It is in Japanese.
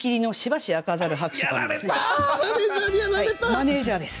マネージャーです。